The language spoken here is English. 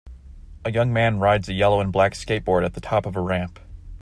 A young man rides a yellow and black skateboard at the top of a ramp.